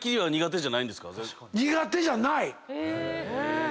苦手じゃない。